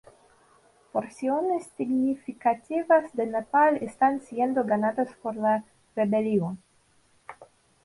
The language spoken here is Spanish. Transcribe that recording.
Porciones significativas de Nepal están siendo ganadas por la rebelión.